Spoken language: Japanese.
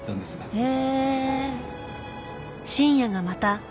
へえ。